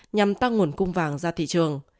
nhằm tăng nguồn cung vàng ra thị trường